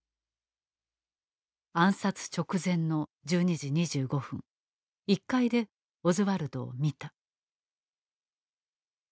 「暗殺直前の１２時２５分１階でオズワルドを見た」。